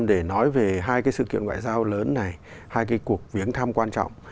để nói về hai cái sự kiện ngoại giao lớn này hai cái cuộc viếng thăm quan trọng